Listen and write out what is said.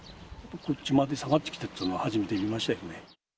こっちまで下がってきたっつうのは初めて見ましたよね。